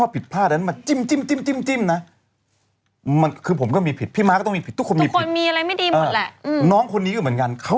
ไปจิ้งขยะ